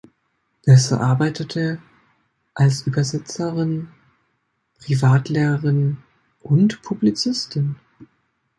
Besser arbeitete als Übersetzerin, Privatlehrerin und Publizistin.